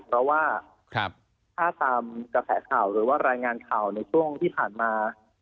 เพราะว่าถ้าตามกระแสข่าวหรือว่ารายงานข่าวในช่วงที่ผ่านมา